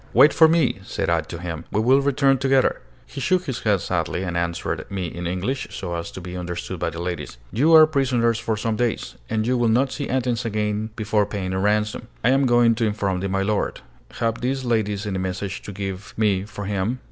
"Wait for me," said I to him: "we will return together." He shook his head sadly, and answered me in English, so as to be understood by the ladies: "You are prisoners for some days, and you will not see Athens again before paying a ransom. I am going to inform the milord. Have these ladies any messages to give me for him?"